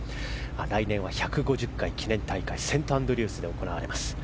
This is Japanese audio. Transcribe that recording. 来年は１５０回記念大会がセントアンドリュースで行われます。